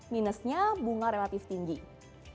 minusnya bunga relatif tersisa